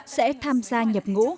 sẽ tham gia nhập ngũ